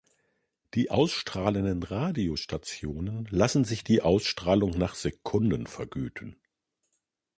Die ausstrahlenden Radiostationen lassen sich die Ausstrahlung nach Sekunden vergüten.